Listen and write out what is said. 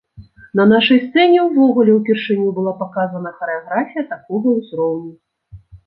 На нашай сцэне ўвогуле ўпершыню была паказана харэаграфія такога ўзроўню.